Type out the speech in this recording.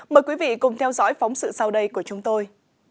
mời quý vị cùng theo dõi phóng sự sau đây của chúng tôi